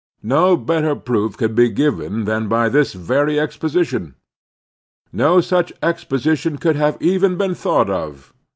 No better proof could be given than by this very exposition. A century ago no such exposition could have even been thought of.